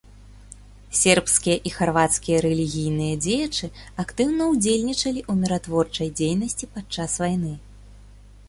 Сербскія і харвацкія рэлігійныя дзеячы актыўна ўдзельнічалі ў міратворчай дзейнасці падчас вайны.